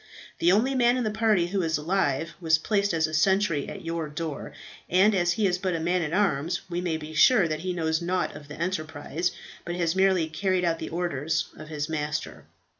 The only man in the party who is alive, was placed as a sentry at your door, and as he is but a man at arms, we may be sure that he knows nought of the enterprise, but has merely carried out the orders of his master."